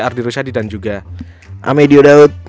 gue ardi rushadi dan juga amedio daud